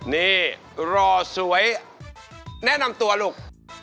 นี่รอสวยแนะนำตัวลูก